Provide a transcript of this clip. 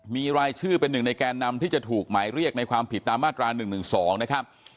มีรายชื่อเป็นหนึ่งในแกนนำที่จะถูกหมายเรียกในความผิดตามมาตรา๑๑๒นะครับ